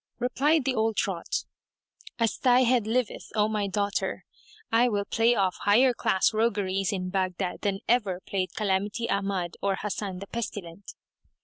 Replied the old trot, "As thy head liveth, O my daughter, I will play off higher class rogueries in Baghdad than ever played Calamity Ahmad or Hasan the Pestilent."